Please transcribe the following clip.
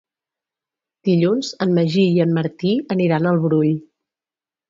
Dilluns en Magí i en Martí aniran al Brull.